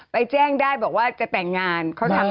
ไปแจ้งได้บอกว่าจะแปลงงาน